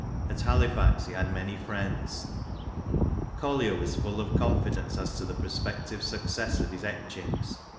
At HaUfax he had many friends. Collier was full of confidence as to the prospective success of his etchings.